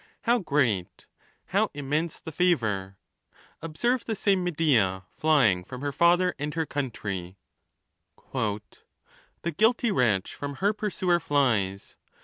How great, how immense the favor ! Observe the same Medea flying from her father and her country : The guilty wretch from her pursuer flies.